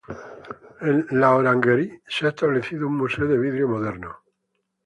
En la Orangerie, se ha establecido un museo de vidrio moderno.